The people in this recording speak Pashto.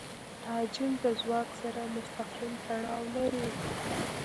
تعجیل د ځواک سره مستقیم تړاو لري.